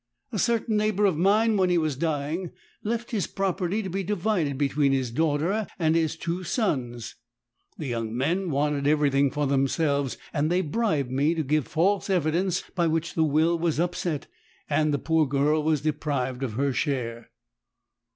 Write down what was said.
A certain neighbour of mine when he was dying left his property to be divided between his daughter and his two sons. The young men wanted everything for themselves, and they bribed me to give false evidence by which the will was upset and the poor girl deprived of her share."